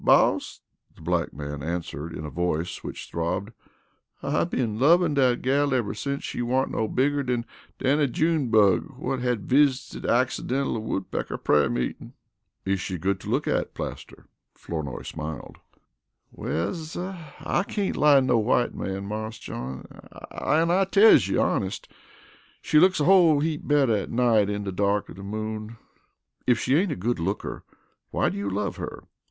"Boss," the black man answered in a voice which throbbed, "I been lovin' dat gal ever since she warn't no bigger dan dan dan a June bug whut had visited accidental a woodpecker prayer meetin'." "Is she good to look at, Plaster?" Flournoy smiled. "Well, suh, I cain't lie to no white man, Marse John; an' I tells you honest she looks a whole heap better at night in de dark of de moon." "If she ain't a good looker, why do you love her?"